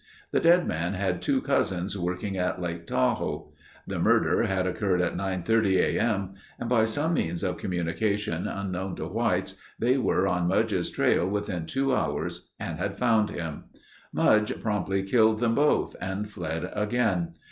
The dead man had two cousins working at Lake Tahoe. The murder had occurred at 9:30 a.m. and by some means of communication unknown to whites, they were on Mudge's trail within two hours and had found him. Mudge promptly killed them both and fled again.